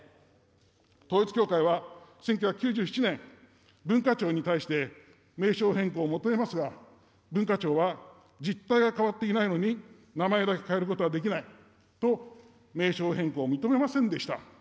統一教会は１９９７年、文化庁に対して名称変更を求めますが、文化庁は、実態は変わっていないのに名前だけ変えることはできないと、名称変更を認めませんでした。